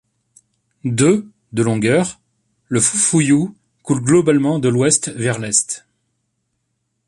De de longueur, le Foufouilloux coule globalement de l'ouest vers l'est.